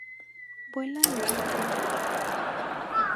Vuela en Filipinas.